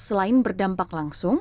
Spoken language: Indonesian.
selain berdampak langsung